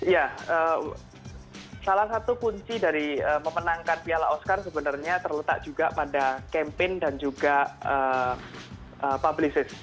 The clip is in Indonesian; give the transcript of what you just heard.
ya salah satu kunci dari memenangkan piala oscar sebenarnya terletak juga pada campaign dan juga publishease